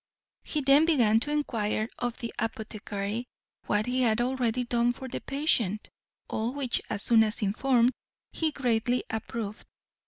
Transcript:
He then began to enquire of the apothecary what he had already done for the patient; all which, as soon as informed, he greatly approved.